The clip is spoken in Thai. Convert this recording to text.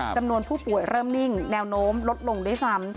จำนวนผู้ป่วยเริ่มนิ่งแนวโน้มลดลงด้วยซ้ำ